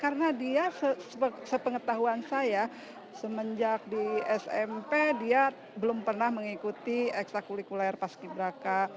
karena dia sepengetahuan saya semenjak di smp dia belum pernah mengikuti ekstra kulikulair pas ki braka